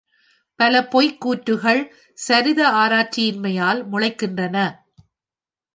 பல பொய்க் கூற்றுகள், சரித ஆராய்ச்சியின்மையால் முளைக்கின்றன.